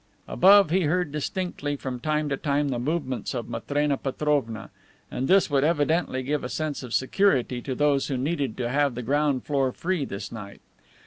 Above he heard distinctly from time to time the movements of Matrena Petrovna. And this would evidently give a sense of security to those who needed to have the ground floor free this night.